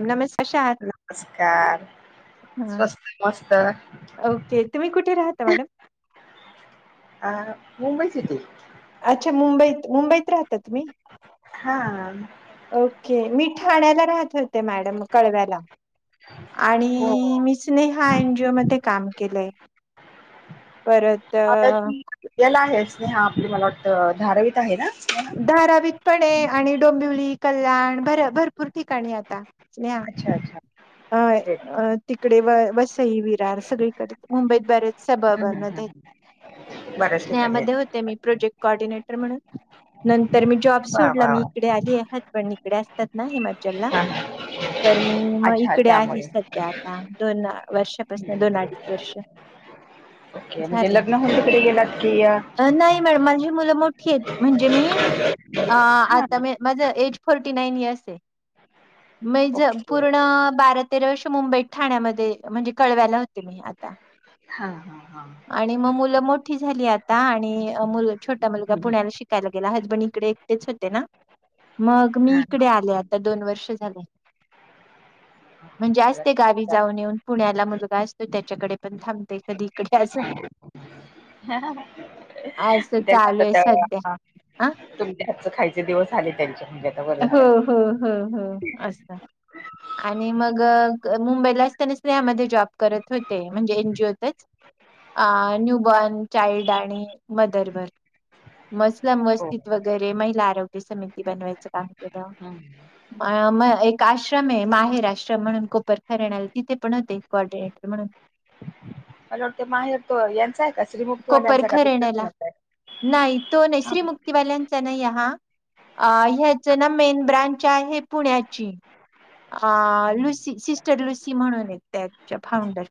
नमस् कशा आहात नमस्कार. हा. स्वस्त मस्त हं. ओके तुम्ही कुठे राहता मॅडम अ मुंबई सिटी. अच्छा मुंबईत मुंबईत राहतात तुम्ही, हां. ओके मी ठाण्याला राहत होते मॅडम कळव्याला. हो. आणि मिचनी हा हां. एन जी ओ मध्ये काम केलंय. परत आता क धारावीत आहे ना? धारवीतपणे आणि डोंबिवली कल्याण भर भरपूर ठिकाणी आता. च्न्या अच्छा, अच्छा. अं ग्रेट. अं तिकडे व वसई विरार सगळीकडे मुंबईत बरेच सभा हं, बनधेत. [inaudible] बऱ्याच ठिकाणी स्नेहामध्ये होते मी आहेत. प्रोजेक्ट कॉऑर्डिनेट मणं, नंतर मी जॉब वाह, सोडला वाह, मी वाह! इकडे आलीये हब्बन इकडे असतात ना हेमा चला हां, हां. तर मी म अच्छा इकडे त्यामुळे. [unintelligible] आता दोन वर्षापासूनं दोन अडीच वर्ष. ओके मजे झाले लग्न हून तिकडे गेलात की य? थेट म्हणजे मी आ हां. आता मी माझं एज फोर्टी नाईन इयर्स ए. मैज ओके. पूर्ण बारत. तेरा वर्ष मुंबईत ठाण्यामधे म्हणजे कळव्याला होते मी. ता हां, हां, हां. आणि म मुलं मोठी झाली आता आणि अ मुल छोटा मुलगा हं, हं. पुण्याला शिकायला गेला हज पण इकडे एकटेच होते ना, मग मी हां, इकडे हां. आले आता दोन वर्ष झाले. म्हणजे सगळं असते गावी करतात. जाऊन. पन पुण्याला मुलगा असतो त्याच्याकडे पण थांबते कधी इकडे असं [unintelligible] असं चालू आहे सध्या आ हाच्चं खायचे दिवस झाले त्यांचे. म्हणजे आता बरं झालं. हो-हो-हो-हो, असं आय आणि मग - मुंबईला असं ना स्नेहा मधे जॉब करत होते म्हणजे एन जी ओ तच. आ न्यूबॉर्न चाइल्ड आणि मदरवर. मस्लम हो. वस्तीत वगैरे महिला आरोग्य समिती बनवाय [unintelligible] हं. म अ एक आश्रम ए माहेर आश्रम म्हणून खूप - तर, [unintelligible] तिथे पण‍ होते. मला वाटत माहेर तो यांचाय का [unintelligible] का दुसऱ्या कोपरखरणेला, कोणाचा आहे? नायी तो नायी, श्रीमुक्तीवाल्यांचा नायीये हा. आ ह्याचे ना मेन ब्रांच आहे पुण्याची. आं लुसी, सिस्टर लुसी म्हणूनेत, त्याच्या फाउंडर.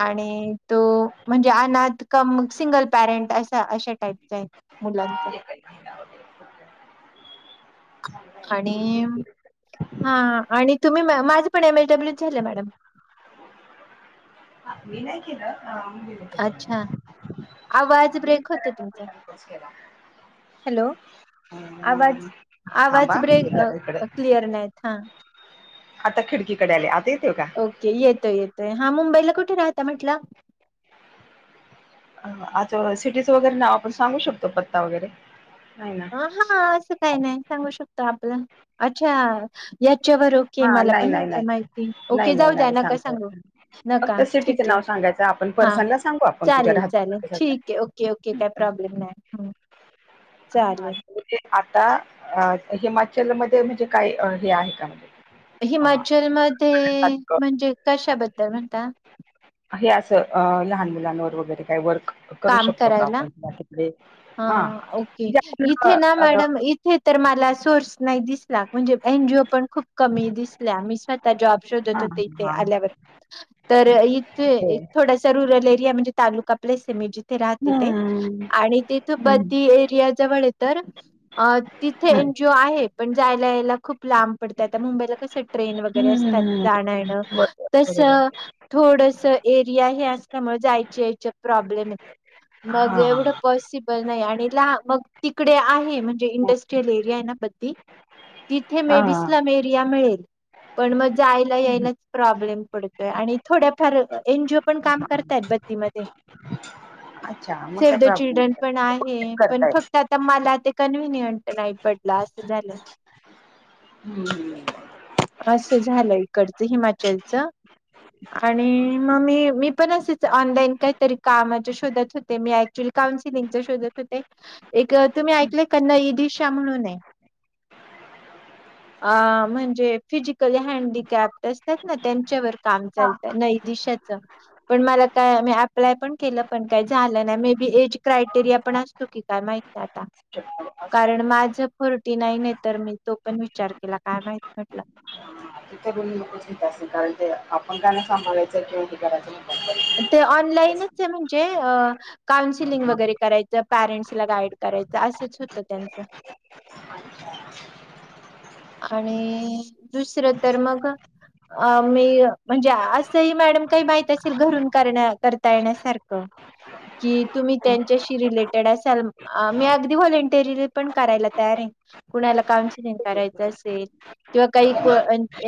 आणि तो म्हणजे अनाथ कम सिंगल पॅरेंट असा, अशा टाईपचाये मुलांचा. [inaudible] आणिम हां आणि तुम्ही म, माझे पण एम एस डब्लूच झालंय मॅडम. मी नाही केलं. अ, मुलीने केलं. अच्छा, आवाज मी ब्रेक होतोय करायचा तुमचा. प्रसंग तोच केला. हॅलो, आवाज अं, आवाज थांबा ब्रेक, मी जरा इकडे अ क्लियर नाहीयेत हं. आता खिडकीकडे आले आतायेत--. ओके येतोय येतोय, हां मुंबईला कुठे राहता म्हंटला? अ आचा सिटीचं वगैरे नाव आपण सांगू शकतो पत्ता वगैरे. नाही ना अ हां असं काही नाही सांगू शकतो आपलं, अच्छा यात च् बर ओके हा मला नाही पण नाही नव्हत नाही माहिती,. नाही ओके नाही जाऊ द्या नाही नका सांगता येत सांगू नाही. नका फक्त सिटीचं ठीके नाव सांगायचं आपण हां पर्सनला सांगू आपण कुठे चालेल चालेल राहतो. ठीके ओके ओके काय प्रॉब् गूडनाईट हं. हां चालेल. आत आता अ हिमाचलमधे म्हणजे काय हे आहे का म्हणजे? अ हिमाचल मध्ये म्हणजे कशाबद्दल म्हणता? हे असं अ लहान मुलांवर वगैरे काय वर्क. करू काम शकतो का करायला? आपण तिकडे हा हां, ओके. म्हजे आपल्या इथे ना ला अ मॅडम इथे तर मला सोर्स नाही दिसला म्हणजे एन जी ओ पण खूप कमी दिसल्या मी स्वतः जॉब शोधत हा होते इथे हा आल्यावर तर ते इथे थोडासा रुरल एरिया म्हणजे तालुका प्लेस मी जिथे राह ते हम्म आणि तिथे हम्म बद्दी एरिया जवळए तर अ ते इथे हम्म एन जी ओ आहे. पण जायला यायला खूप लांब पडत आता मुंबईला कसं ट्रेन वगैरे असतात हम्म जाणयेणं बरोबर तस अ बरोबर थोडस एरिया हे असल्यामुळे जायची यायच्या प्रॉब्लेम ये मग एवढं हा पॉसिबल नाही आणि लहा मग तिकडे आहे म्हणजे इंडस्ट्रीयल एरिये ना बद् ती तिथे हा मे बि स्लम एरिया मिळेल पण म जायला हम्म, यायलाच प्रॉब्लेम पडतोय आणि थोड्याफार एनजीओ पण काम हा. करतायत बद्दी मध्ये. अच्छा मग सेव्ह काय द प्रॉब्लेम चिल्ड्रन नाही पण आहे पण करता येत फक्त आता मला ते कन्व्हिनियंट नाही पडलं आसं झालं. हम्म असं झालं इकड चं हिमाचलचं आणि मग मी, मी पण असेच ऑनलाईन काहीतरी कामाच्या शोधात होते मी ऍक्च्युली काउन्सिलिंगच्या शोधात होते एक तुम्ही ऐकलय का नई दि दिशा म्हणून ए. [inaudible] अ म्हणजे फिजिकली हॅन्डीकॅप असतात ना त्यांच्यावर काम हा चालतं नई दि शाचं पण मला काय मी आपलाय पण केलं पण काही झालं नाही मे बी एज क्रायटेरिया पण असतो की काय माहीत नाही आता. असू शकतो असू कारण शकतो माझं फोर्टी नाइन आहे तर मी तो पण विचार केला काय माहित म्हटलं. तिथं पण ते घेत असतील कारण ते आपण त्यांना सांभाळायचं किंवा ते करायचं. म्हणतात ते ऑनलाईनच म्हण जे अ काउन्सलिंग वगैरे करायचं पॅरेंट्सला गाईड करायचं असंच होतं त्यांचं. [inaudible] आणि दुसरं तर मग अ मी म्हणजे असंही मॅडम काही माहित असेल घरून करण्या करता येण्यासारखं. की तुम्ही त्यांच्याशी रिलेटेड असाल अं मी अगदी व्हॉलेटरी पण करायला तयार आहे. कुणाला काउन्सिलिंग करायचं असेल किंवा काही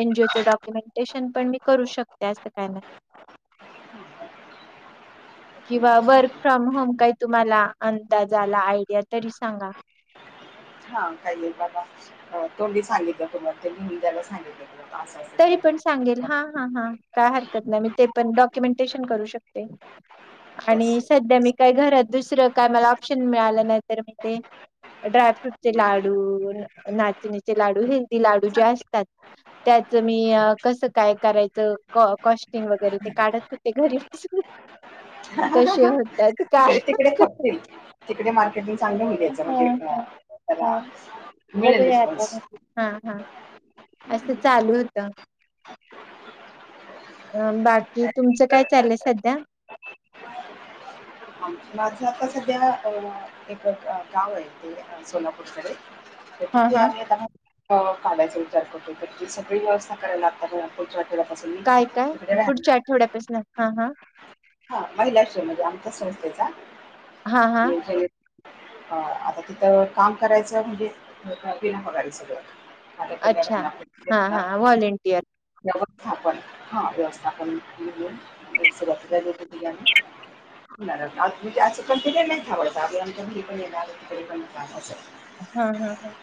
एनजीओचं डॉक्युमेंटेशन पण मी करू शकते असं काय नाही. [inaudible] किंवा वर्क फ्रॉम होम काही तुम्हाला अंदाज आला आयडिया तरी सांगा. हा काही नाही बाबा अ तोंडी सांगितलं पुर्ण ते लिहून द्यायला सांगितलं. कुणाला असं असं तरी पण सांगेल केलं हा. हा हा काय हरकत नाही मी ते पण डॉक्युमेंटेशन करू शकते. आणि सध्या मी काय घरात दुसरं काय मला ऑप्शन मिळालं नाही तर मी ते ड्रायफ्रूटचे लाडू, नाचणीचे लाडू, हेल्दी लाडू जे असतात. त्याच मी अ कसं काय करायचं कॉ, कॉस्टिंग वगैरे ते काढत होते घरी बसून. हा.. हा.. कसे हा.. होतात काय इकडे तिकडे खपतील. तिकडे मार्केटिंग चांगलं मिळायचं हा म्हणजे हा त्याला हा मिळेल बघूया आता, रिस्पॉन्स हा हा असं चालू होतं. अ बाकी तुमचं काय चाललंय सध्या? हा. माझं आता सध्या अ, एक गाव आहे ते सोलापूरकडे तर हा तिथे हा आता आम्ही ना, अ काढायचा विचार करतोय तर तिथली सगळी व्यवस्था करायला लागणार या पुढच्या आठवड्यापासून मी काय काय तिकडे पुढच्या राहणार आठवड्यापासनं हां-हां. हां महिलाश्रम मध्ये आमच्या संस्थेचा हा [unintelligible] हा हं, आता तिथं काम करायचं म्हणजे, बिनपगारी सगळं. अच्छा. हा हा व्हॉलेंटियर [unintelligible] हां पण हां व्यवस्थापन [unintelligible] [unintelligible] हां-हां-हां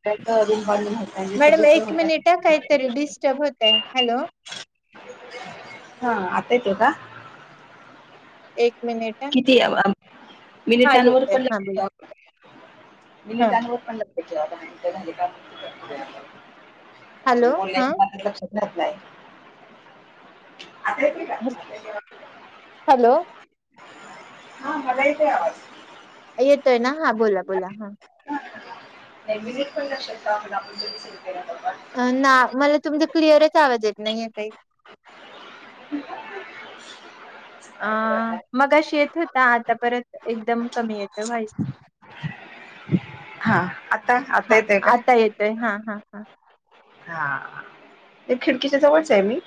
[unintelligible] मॅडम सोय एक होता मिनिट हां कायतरी डिस्टर्ब होतंय. हॅलो. हां, आता येतो का? एक मिनिट हा. किती अव हा मिनिटांवर येतोय हा बोला [unintelligible] हा मिनिटांवर पण लक्ष ठेवा हॅलो [unintelligible] [unintelligible] हा लक्षात येत नाय [unintelligible] हॅलो हां मला येते आवाज. येतोय ना, हां बोला बोला हां. नाही विजिट पण करू शकता [unintelligible] अ ना मला तुमचा क्लिअरच आवाज येत नाहीय काही. अं मघाशी येत होता आता परत एकदम कमी येतं व्हाईस. [inaudible] हां आता, आता येतोय का? हां-हां हां, ते खिडकीच्या जवळच आहे मी.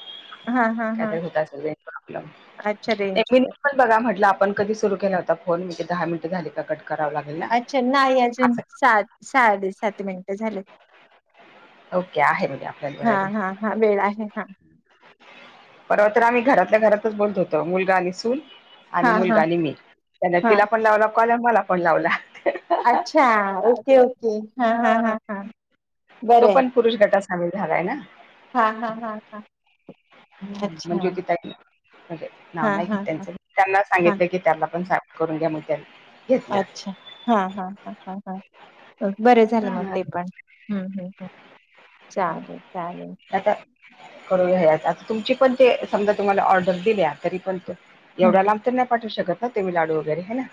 हा हा काय हा काय होत असल बाई प्रॉब्लेम. अच्छा कय कई रेंज [unintelligible] बघा म्हंटला आप आपण कधी सुरू केला होता फोन, म्हणजे दहा मिनिटं झाले का कट करावं लागेल ना अच्छा नाही अजून, असं सात साडे सात मिनिटं झालेत. ओके आहे म्हणजे आपल्याला वेळ अजून हां-हां-हां, वेळ आहे हां. परवा तर आम्ही घरातल्या घरातच बोलत होतो, मुलगा आणि सून. आणि हा हा मुलगा आणि मी. त्याने हा तिला पण लावला कॉल अन मला पण लावला. अच्छा ओके ओके हा हा हां, हा हा तो पण पुरुष गटास आं वेळ झालाय ना? हां-हां-हां-हां मल ज्योती ताई [unintelligible] हा हा त्यांच हा त्यांना हा सांगितलं की त्याला पण सांग. करून घ्या मन्त्याही. अच्छा, हां-हां-हां-हां-हां बरं झालं म हां, ते पण. हम्-हम्-हम्, चालेल चालेल. करूया हे. तुमची पण ते समजा तुम्हाला ऑर्डर दिल्या तरी पण त हम्म एवढा लांब त पाठवू शकत ना तुम्ही लाडू वगैरे हे ना?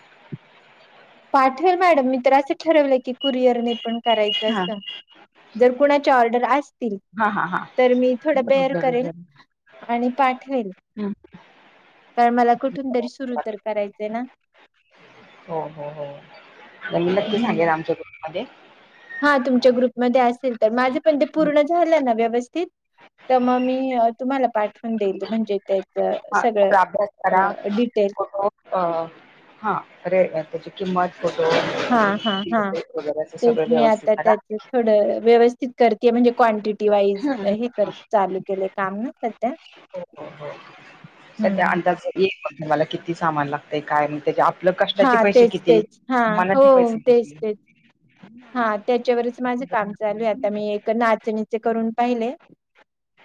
पाठवेल मॅडम. मी तर असं ठरवलं की कुरिअर ने पन करायचं असं. जर कुणा च्या ऑर्डर आस् तील हा हा हा हा तर मी थोडं बेअर बरोबर करेल. बरोबर आणि पाठवेल. हं. कारण मला कुठून तरी सुरू तर करायचंय ना. हो-हो, मन नक्की सांगेल आमच्या ग्रुप मध्ये. हां तुमच्या ग्रुपमध्ये असेल त माझे पण ते पूर्ण झालं ना व्यवस् तीत त म मी तुम्हाला पाठवून देईल म्हणजे हां त्याच [unintelligible] सगळं अभ्यास करा अ डिटेल [unintelligible] ओ अ हां त्याची किम्मत? हां-हां-हां, असं तेच सगळं मी व्यवस्थित आता करा त्याचं थोडं व्यवस्थित कर ते म्हणजे क्वांटिटी वाईज हे कर हो चालू केले काम ना सध्या. हो हो सध्या हम्म. अंदाज एकण तुमला किती सामान लागतय काय आणि तेच्या आपलं कष्टाचे हा पैसे तेच किती?, तेच हा हो सामानाचे पैसे तेच किती? तेच हा त्याच्यावरच माझं काम चालू आहे आता मी एक नाचणीचे करून पाहिले.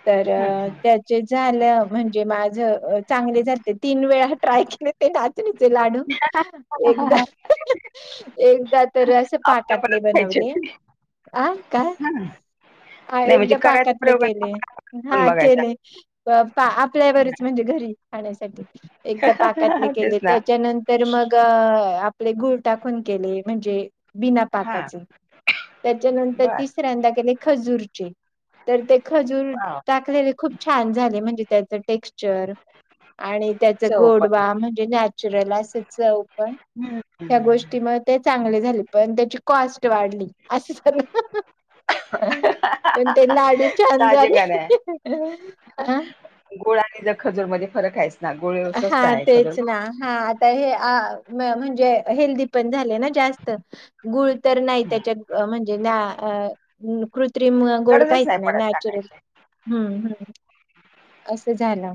तर हां, हां. त्याचे झालं म्हणजे माझ चांगले झाले ते म्हणजे तीन वेळा ट्राय ते नाचणीचे लाडू एकदा, एकदा तर असे पा आपल्या परत कातले खायची बनवले होती. आ काय? [inaudible] हा एकदा करायचा पाकातले प्रयोग आणि केले आपण आपण करून हा बघायचा. केले आपल्या घरीच म्हणजे घरी. खण्यासाठी एकदा पाकातले तेच केले ना. त्याच्या नंतर मग अं- आपले गुळ टाकून केले म्हणजे बिना हां. पाकाचे त्याच्यानंतर बरं. तिसऱ्यांदा केले खजूर चे. तर ते खजूर वॉव! टाकलेले खूप छान झाले म्हणजे त्याच टेक्स्चर. आणि त्याच चव पण. गोडवा म्हणजे नॅचरल असं चौपण. हं, त्या हं. गोष्टी म ते चांगले झाले पण त्याची कॉस्ट वाढली अस सगळं पण ते लाडू छान साहजिक झाले. आहे. खजूर मध्ये फरक आहे. ना. गुळ हा स्वस्त खजूर तेच ना महाग. हा आता हे अ म्हणजे हेल्दी पण झाले ना जास्त गुळ तर नाही हं. त्याच्यात म्हणजे अ कृत्रिम गोड गरजच काहीच नाही पडत नॅचरल टाकायची. हम्म हम्म. असं झालं.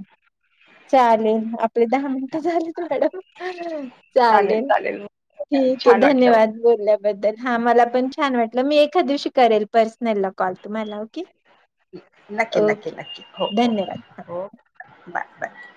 चालेल आपले दहा मिनटं झालीच मॅडम चालेल. ठीक आहे छान वाटलं. धन्यवाद बोलल्याबद्दल हा मला पण छान वाटलं मी एक एखादिवशी करेल पर्सनला कॉल तुम्हाला ओके, नक्की, नक्की, ओके नक्की. हो, हो. धन्यवाद. हा हो बाय बाय.